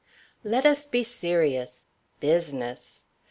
Let us be serious. Business!